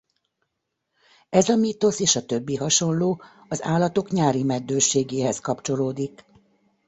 Ez a mítosz és a többi hasonló az állatok nyári meddőségéhez kapcsolódik.